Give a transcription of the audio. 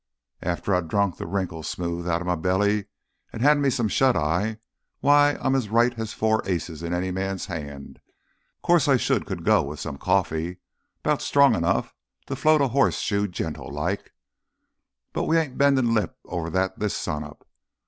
After I drunk th' wrinkles smooth outta my belly an' had me some shut eye, why, I'm as right as four aces in any man's hand! 'Course I sure could do with some coffee—'bout strong 'nough to float a hoss shoe gentle like. But we ain't bendin' lip over that this sunup.